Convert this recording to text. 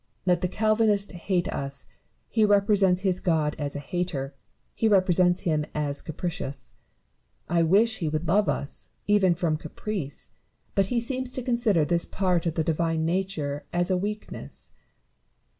Let the Calvinist hate us : he represents his God as a hater, he represents him as capricious. I wish he would love us, even from caprice ; but he seems to consider this part of the Divine nature as a weakness.